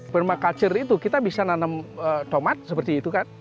bermakalcer itu kita bisa nanam tomat seperti itu kan